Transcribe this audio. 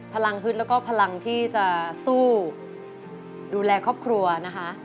ฮึดแล้วก็พลังที่จะสู้ดูแลครอบครัวนะคะ